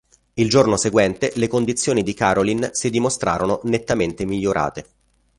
Il giorno seguente le condizioni di Caroline si dimostrano nettamente migliorate.